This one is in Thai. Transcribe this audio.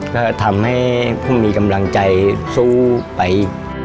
เขาทำให้พวกมีกำลังใจสู้ไป